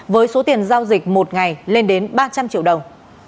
với số tiền giao dịch một ngày lên đến ba trăm linh triệu đồng